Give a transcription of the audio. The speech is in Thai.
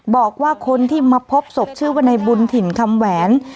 บอกว่าคนที่มาพบศพชื่อว่าในบุญถิ่นคำแหวน